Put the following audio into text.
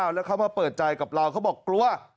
แล้วเขามาเปิดใจกับเราเขาบอกกลัว